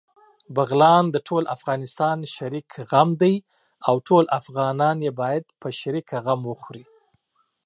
بغلان دټول افغانستان شريک غم دی، او ټول افغانان يې باېد په شريکه غم وخوري